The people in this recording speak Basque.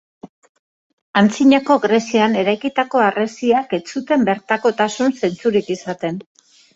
Antzinako Grezian eraikitako harresiak ez zuten bertakotasun zentzurik izaten.